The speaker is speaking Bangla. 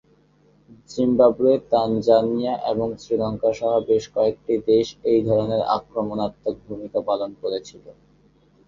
জিম্বাবুয়ে, তানজানিয়া এবং শ্রীলঙ্কা সহ বেশ কয়েকটি দেশ এই ধরনের আক্রমণাত্মক ভূমিকা পালন করেছিল।